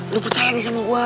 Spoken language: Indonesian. lu percaya nih sama gue